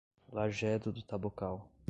Lajedo do Tabocal